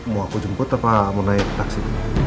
mau aku jemput apa mau naik taksi